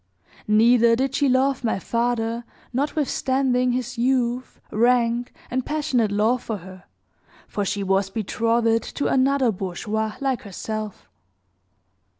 Neither did she love my father notwithstanding his youth, rank, and passionate love for her, for she was betrothed to another bourgeois, like herself.